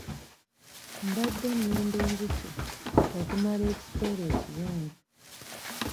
Mbadde nunda enjuki okumala ekiseera ekiwanvu.